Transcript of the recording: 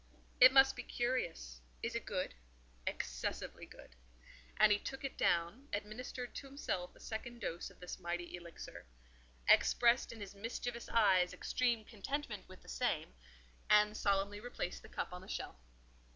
"It must be curious: is it good?" "Excessively good." And he took it down, administered to himself a second dose of this mighty elixir, expressed in his mischievous eyes extreme contentment with the same, and solemnly replaced the cup on the shelf.